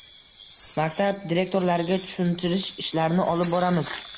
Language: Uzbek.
Maktab direktorlariga tushuntirish ishlarini olib boramiz.